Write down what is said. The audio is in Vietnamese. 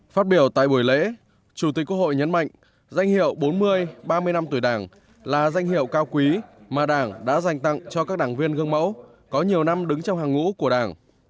phát biểu tại buổi lễ chủ tịch quốc hội nhấn mạnh danh hiệu bốn mươi ba mươi năm tuổi đảng là danh hiệu cao quý mà đảng đã dành tặng cho các đảng viên gương mẫu có nhiều năm đứng trong hàng ngũ của đảng